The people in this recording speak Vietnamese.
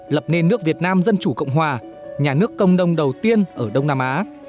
lập nên nước việt nam dân chủ cộng hòa nhà nước công đông đầu tiên ở đông nam á